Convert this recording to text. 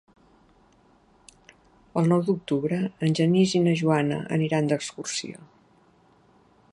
El nou d'octubre en Genís i na Joana aniran d'excursió.